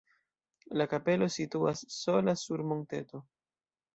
La kapelo situas sola sur monteto.